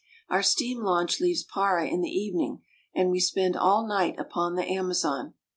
Our steam launch leaves Para in the evening, and we spend all night upon the Amazon.